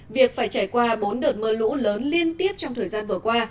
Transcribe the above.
việc phải trải qua bốn đợt mưa lũ lớn liên tiếp trong thời gian vừa qua